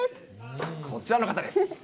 こちらの方です。